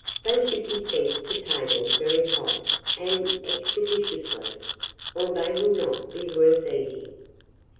They should be sent to table very hot and expeditiously, or they will not be worth eating.